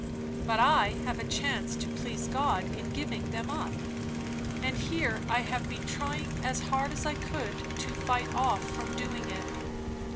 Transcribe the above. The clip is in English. but I have a chance to please God in giving them up; and here I have been trying as hard as I could to fight off from doing it.